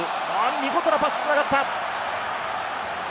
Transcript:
見事なパスが繋がった！